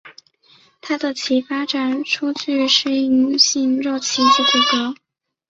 它们的鳍发展出具适应性的肉鳍及骨骼。